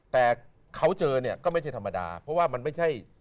แต่เขาเจอเนี่ยก็ไม่ใช่ธรรมดาเพราะว่ามันไม่ใช่